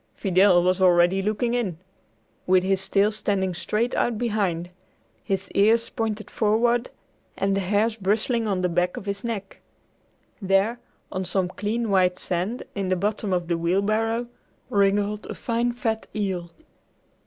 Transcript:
Fidel was already looking in, with his tail standing straight out behind, his ears pointed forward, and the hairs bristling on the back of his neck. There, on some clean white sand in the bottom of the wheelbarrow, wriggled a fine fat eel!